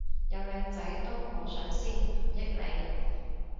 有靚仔都我上先唔益你